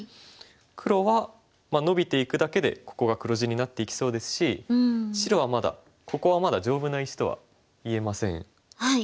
黒はノビていくだけでここが黒地になっていきそうですし白はまだここはまだ丈夫な石とは言えません。